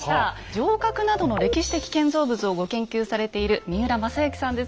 城郭などの歴史的建造物をご研究されている三浦正幸さんです。